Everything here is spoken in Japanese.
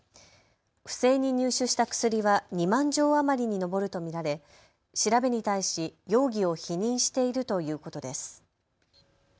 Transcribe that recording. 不正に入手した薬は２万錠余りに上ると見られ調べに対し容疑を否認しているということです。